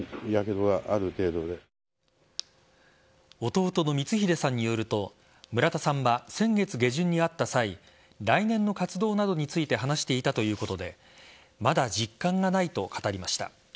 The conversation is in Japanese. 弟の光英さんによると村田さんは先月下旬に会った際来年の活動などについて話していたということでまだ実感がないと語りました。